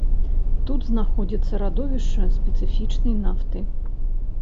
Тут знаходзіцца радовішча спецыфічнай нафты.